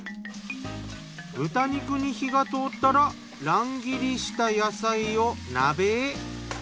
豚肉に火が通ったら乱切りした野菜を鍋へ。